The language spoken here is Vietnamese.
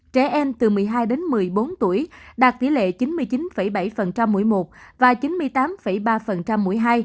trẻ em từ một mươi hai đến một mươi bốn tuổi đạt tỷ lệ chín mươi chín bảy mỗi một và chín mươi tám ba mũi hai